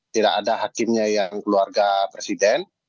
tidak ada hakimnya yang keluarga presiden